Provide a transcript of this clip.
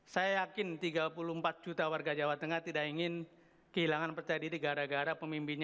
saya yakin tiga puluh empat juta warga jawa tengah tidak ingin kehilangan percaya diri gara gara pemimpinnya